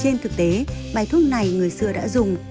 trên thực tế bài thuốc này người xưa đã dùng